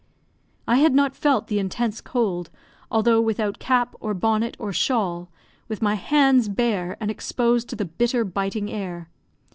I had not felt the intense cold, although without cap, or bonnet, or shawl; with my hands bare and exposed to the bitter, biting air.